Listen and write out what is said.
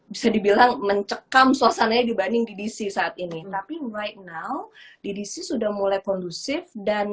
bisa dibilang mencekam suasananya dibanding di dc saat ini tapi right now di dc sudah mulai kondusif